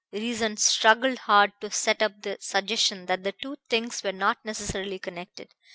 Reason struggled hard to set up the suggestion that the two things were not necessarily connected.